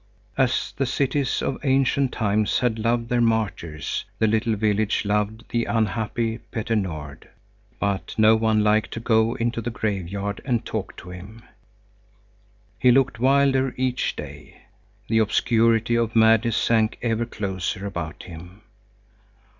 As the cities of ancient times had loved their martyrs, the little village loved the unhappy Petter Nord; but no one liked to go into the graveyard and talk to him. He looked wilder each day. The obscurity of madness sank ever closer about him.